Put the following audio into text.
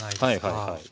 はいはいはい。